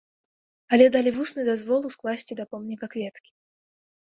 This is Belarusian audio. Але далі вусны дазвол ускласці да помніка кветкі.